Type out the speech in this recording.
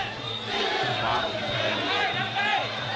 สมัครครับ